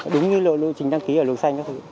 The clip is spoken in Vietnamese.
đúng như lộ trình đăng ký ở lùng xanh